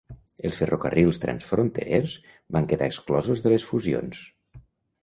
Els ferrocarrils transfronterers van quedar exclosos de les fusions.